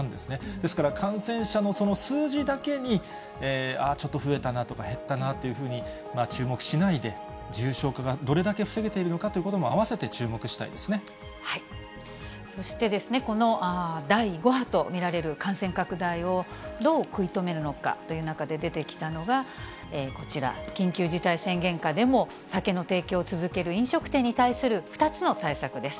ですから、感染者のその数字だけに、ちょっと増えたなとか、減ったなっていうふうに注目しないで、重症化がどれだけ防げているのかということも、そしてですね、この第５波と見られる感染拡大をどう食い止めるという中で出てきたのが、こちら、緊急事態宣言下でも酒の提供を続ける飲食店に対する２つの対策です。